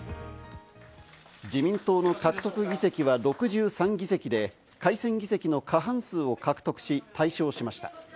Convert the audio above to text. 自民党の獲得議席は６３議席で改選議席の過半数を獲得し、大勝しました。